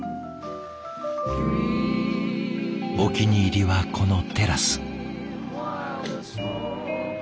お気に入りはこのテラス。